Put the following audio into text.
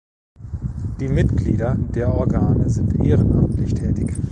Die Mitglieder der Organe sind ehrenamtlich tätig.